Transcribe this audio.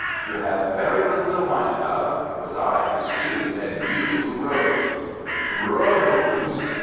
"You have very little to whine about. It was I who stooped and you who rose." "Rose!"